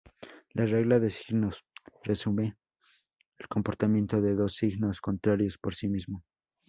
La regla de signos resume el comportamiento de dos signos contrarios por sí mismo.